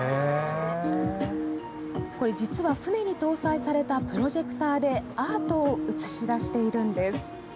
これ、実は船に搭載されたプロジェクターでアートを映し出しているんです。